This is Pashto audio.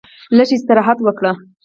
لږ استراحت وکړ.